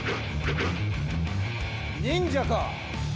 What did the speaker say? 忍者か。